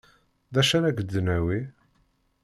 D acu ara ak-d-nawi?